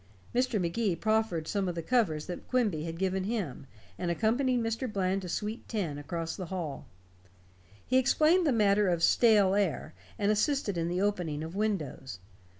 Mr. Magee proffered some of the covers that Quimby had given him, and accompanied Mr. Bland to suite ten, across the hall. He explained the matter of "stale air", and assisted in the opening of windows.